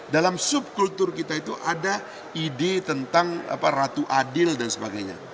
dalam subkultur kita itu ada ide tentang ratu adil dan sebagainya